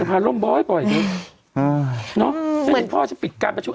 นะแม้หรือพ่อจะปิดการประชุม